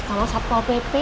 sama sapal pepe